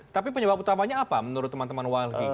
tapi penyebab utamanya apa menurut teman teman wild king